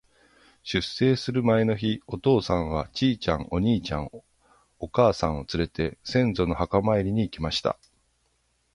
出征する前の日、お父さんは、ちいちゃん、お兄ちゃん、お母さんをつれて、先祖の墓参りに行きました。